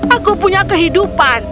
aku punya kehidupan